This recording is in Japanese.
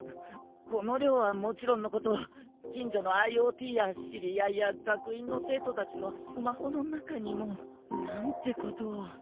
この寮はもちろんのこと近所のＩＯＴや知り合いや学院の生徒たちのスマホの中にも。なんてことを。